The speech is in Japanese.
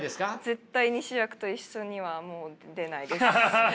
絶対に主役と一緒にはもう出ないです。